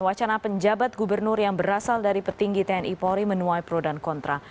wacana penjabat gubernur yang berasal dari petinggi tni polri menuai pro dan kontra